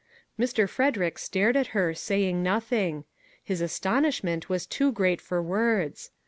Mr. Frederick stared at her, saying nothing. His astonishment was too great for words.